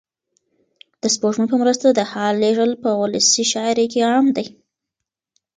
د سپوږمۍ په مرسته د حال لېږل په ولسي شاعرۍ کې عام دي.